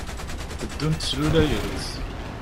Teddunt slulayent.